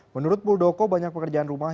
menurut muldoko banyak pekerjaan rumah